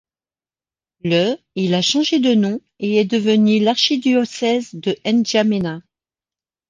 Le , il a changé de nom et est devenu l'archidiocèse de N'Djaména.